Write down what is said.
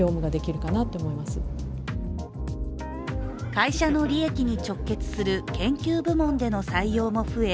会社の利益に直結する研究部門での採用も増え